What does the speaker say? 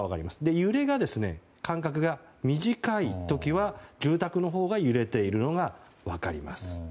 揺れの間隔が短い時は住宅のほうが揺れているのが分かります。